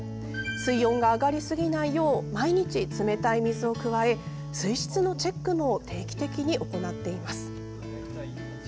水温が上がりすぎないよう毎日、冷たい水を加え水質のチェックも定期的に行っています。